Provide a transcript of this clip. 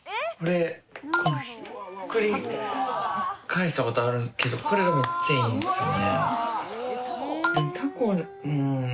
このひっくり返したことあるけどこれがめっちゃいいんですよね。